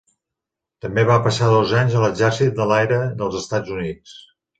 També va passar dos anys a l'Exèrcit de l'Aire dels Estats Units.